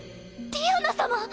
ディアナ様！